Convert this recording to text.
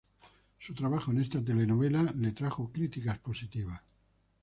Su trabajo en esta telenovela le trajo críticas positivas.